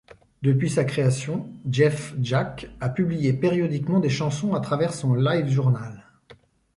Depuis sa création, Jeph Jacques a publié périodiquement des chansons à travers son LiveJournal.